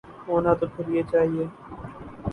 ہونا تو پھر یہ چاہیے۔